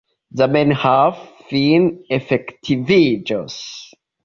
Zamenhof fine efektiviĝos.